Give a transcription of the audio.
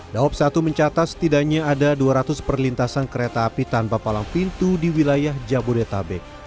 daob satu mencatat setidaknya ada dua ratus perlintasan kereta api tanpa palang pintu di wilayah jabodetabek